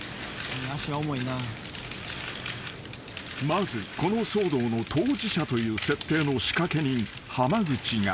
［まずこの騒動の当事者という設定の仕掛け人濱口が］